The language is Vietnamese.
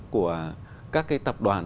của các cái tập đoàn